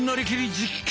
実験！